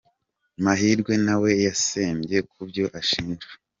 Mahirwe na we yatsembye ku byo ashinjwa.